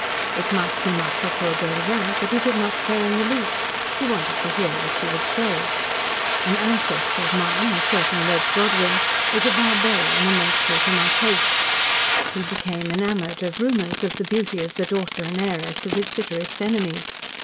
It might seem a propos de rien, but he did not care in the least. He wanted to hear what she would say. "An ancestor of mine a certain Red Godwyn was a barbarian immensely to my taste. He became enamoured of rumours of the beauty of the daughter and heiress of his bitterest enemy.